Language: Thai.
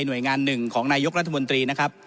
หน่วยงานหนึ่งของนายกรัฐมนตรีนะครับ